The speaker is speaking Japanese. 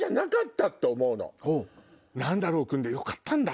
なんだろう君でよかったんだ！